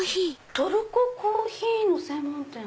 トルココーヒーの専門店？